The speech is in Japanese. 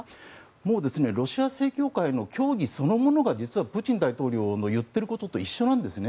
もうロシア正教会の教義そのものが実はプーチン大統領の言っていることと一緒なんですね。